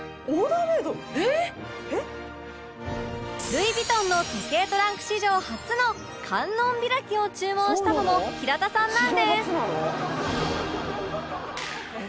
ルイ・ヴィトンの時計トランク史上初の観音開きを注文したのも平田さんなんです